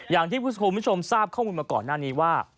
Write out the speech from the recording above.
อย่างที่คุณผู้ชมทราบข้อมูลมาก่อนหน้านี้ว่า